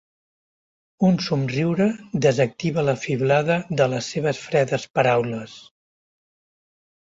Un somriure desactiva la fiblada de les seves fredes paraules.